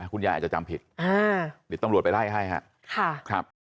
คุณยายอาจจะจำผิดเดี๋ยวตำรวจไปไล่ให้ครับ